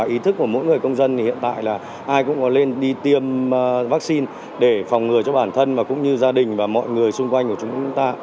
ý thức của mỗi người công dân thì hiện tại là ai cũng có lên đi tiêm vaccine để phòng ngừa cho bản thân và cũng như gia đình và mọi người xung quanh của chúng ta